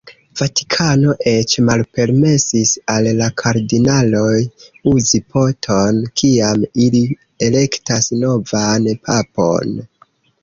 Vatikano eĉ malpermesis al la kardinaloj uzi po-ton, kiam ili elektas novan papon.